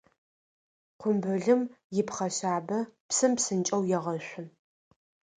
Къумбылым ипхъэ шъабэ, псым псынкӏэу егъэшъу.